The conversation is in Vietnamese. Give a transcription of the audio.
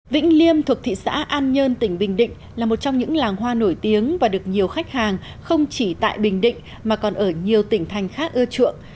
vĩnh liêm thuộc thị xã an nhơn tỉnh bình định là một trong những làng hoa nổi tiếng và được nhiều khách hàng không chỉ tại bình định mà còn ở nhiều tỉnh thành khác ưa chuộng